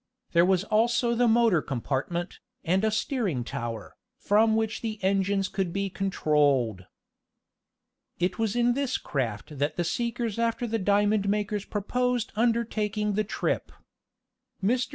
There was also the motor compartment, and a steering tower, from which the engines could be controlled. It was in this craft that the seekers after the diamond makers proposed undertaking the trip. Mr.